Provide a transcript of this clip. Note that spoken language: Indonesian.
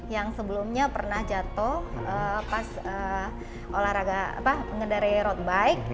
yang sebelumnya pernah jatuh pas olahraga mengendarai road bike